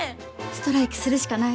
ストライキするしかない。